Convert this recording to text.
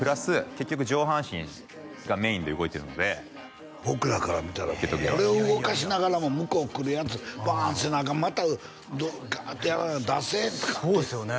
結局上半身がメインで動いてるので僕らから見たらこれを動かしながらも向こう来るやつバーンせなアカンまたガーッてやらな惰性そうですよね